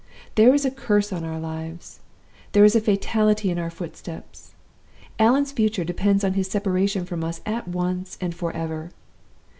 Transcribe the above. There is a curse on our lives! there is a fatality in our footsteps! Allan's future depends on his separation from us at once and forever.